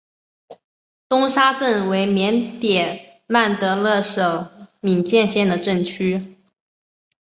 东沙镇为缅甸曼德勒省敏建县的镇区。